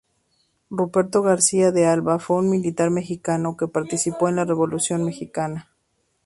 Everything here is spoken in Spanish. Ruperto García de Alba fue un militar mexicano que participó en la Revolución mexicana.